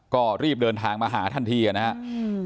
ก็รีบเดินทางมาหาทันทีนะครับ